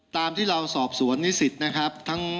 ตามที่เราสอบสวนนิสิตนะครับ